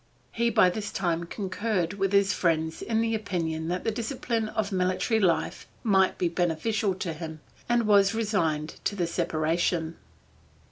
He by this time concurred with his friends in the opinion that the discipline of military life might be beneficial to him, and was resigned to the separation.